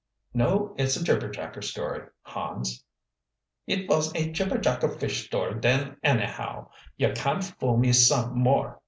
"No, it's a jibberjacker story, Hans." "It vos a jibjacker fish story den annahow. You can't fool me some more.